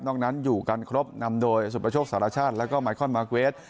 นั้นอยู่กันครบนำโดยสุประโชคสารชาติแล้วก็ไมคอนมาร์เกรท